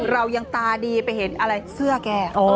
เรายังตาดีไปเห็นอะไรเสื้อแก